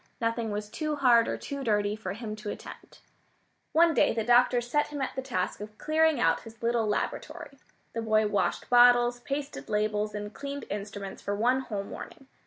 Nothing was too hard or too dirty for him to attempt. One day the doctor set him at the task of clearing out his little laboratory. The boy washed bottles, pasted labels, and cleaned instruments for one whole morning.